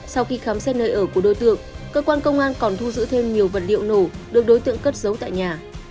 sau khi khám xét nơi ở của đối tượng cơ quan công an còn thu giữ thêm nhiều vật liệu nổ được đối tượng cất giấu tại nhà